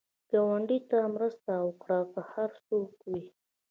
ګاونډي ته مرسته وکړه، که هر څوک وي